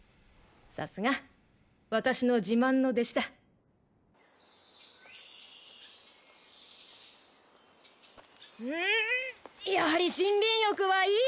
さすが私の自慢の弟子だうんやはり森林浴はいい！